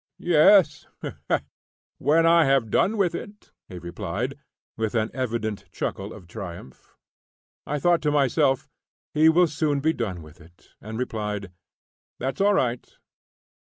"Yes, when I have done with it," he replied, with an evident chuckle of triumph. I thought to myself, he will soon be done with it, and replied: "That's all right."